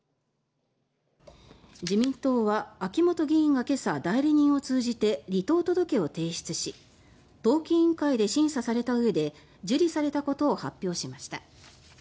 自民党は、秋本議員が今朝代理人を通じて離党届を提出し党紀委員会で審査されたうえで受理されたことを発表しました。